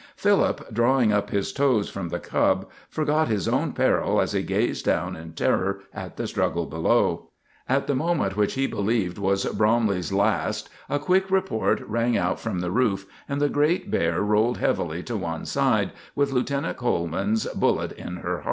Philip, drawing up his toes from the cub, forgot his own peril as he gazed down in terror at the struggle below. At the moment which he believed was Bromley's last a quick report rang out from the roof, and the great bear rolled heavily to one side, with Lieutenant Coleman's bullet in her heart.